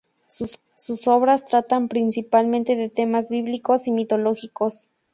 Sus obras tratan principalmente de temas bíblicos y mitológicos.